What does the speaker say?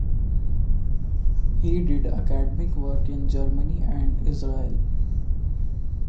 He did academic work in Germany and Israel.